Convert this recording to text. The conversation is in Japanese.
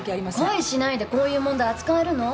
恋しないでこういう問題扱えるの？